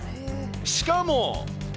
しかも。